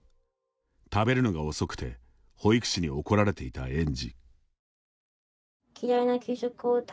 食べるのが遅くて保育士に怒られていた園児。